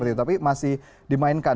tapi masih dimainkan